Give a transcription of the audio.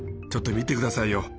ちょっと見て下さいよ。